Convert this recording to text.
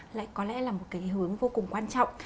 lại có lẽ là một cái hướng vô cùng quan trọng